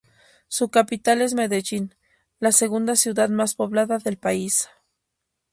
Su capital es Medellín, la segunda ciudad más poblada del país.